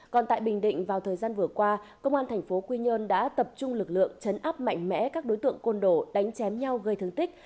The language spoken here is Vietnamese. còn tại bình định vào thời gian vừa qua công an thành phố quy nhơn đã tập trung lực lượng chấn áp mạnh mẽ các đối tượng côn đổ đánh chém nhau gây thương tích